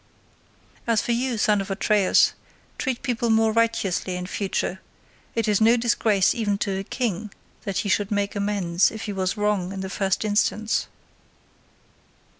As for you, son of Atreus, treat people more righteously in future; it is no disgrace even to a king that he should make amends if he was wrong in the first instance."